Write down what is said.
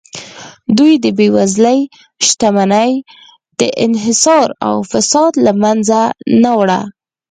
دوی د بېوزلۍ، شتمنۍ انحصار او فساد له منځه نه وړه